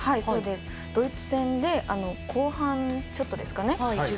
ドイツ戦で後半ちょっとですかね。